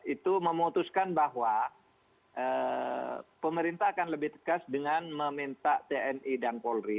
itu memutuskan bahwa pemerintah akan lebih tegas dengan meminta tni dan polri